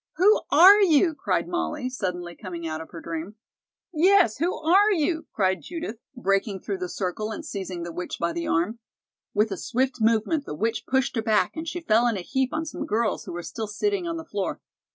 "Who are you?" cried Molly, suddenly coming out of her dream. "Yes, who are you?" cried Judith, breaking through the circle and seizing the witch by the arm. With a swift movement the witch pushed her back and she fell in a heap on some girls who were still sitting on the floor.